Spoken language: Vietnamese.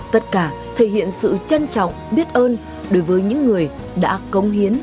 tất cả thể hiện sự trân trọng biết ơn đối với những người đã công hiến